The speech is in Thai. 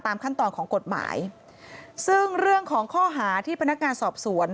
ขั้นตอนของกฎหมายซึ่งเรื่องของข้อหาที่พนักงานสอบสวน